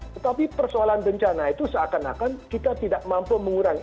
tetapi persoalan bencana itu seakan akan kita tidak mampu mengurangi